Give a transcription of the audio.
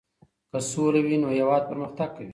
که سوله وي نو هېواد پرمختګ کوي.